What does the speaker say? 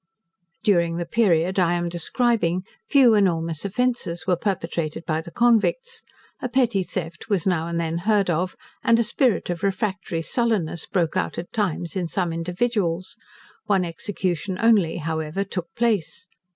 During the period I am describing, few enormous offences were perpetrated by the convicts. A petty theft was now and then heard of, and a spirit of refractory sullenness broke out at times in some individuals: one execution only, however, took place.